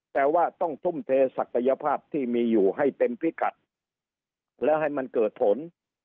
แต่ว่าต้องทุ่มเทศักยภาพที่มีอยู่ให้เต็มพิกัดแล้วให้มันเกิดผล